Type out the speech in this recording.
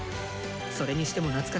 それにしても懐かしいです。